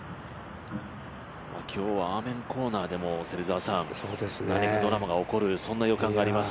今日はアーメンコーナーでも何かドラマが起こるそんな予感があります。